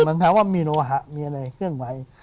มันทำว่ามีโลหะมีอะไรเครื่องไหว